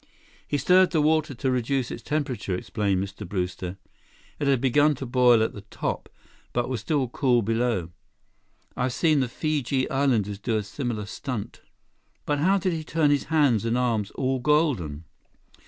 "He stirred the water to reduce its temperature," explained Mr. Brewster. "It had begun to boil at the top, but was still cool below. I've seen the Fiji Islanders do a similar stunt." "But how did he turn his hands and arms all golden?"